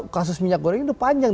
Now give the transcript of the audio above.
kasus minyak goreng ini panjang